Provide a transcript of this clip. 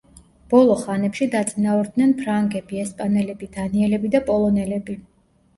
ბოლო ხანებში დაწინაურდნენ ფრანგები, ესპანელები, დანიელები და პოლონელები.